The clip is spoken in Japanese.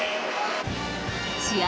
試合